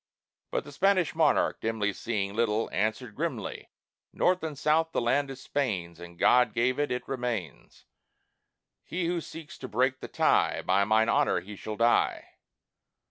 But the Spanish monarch, dimly Seeing little, answered grimly: "North and South the land is Spain's; As God gave it, it remains. He who seeks to break the tie, By mine honor, he shall die!"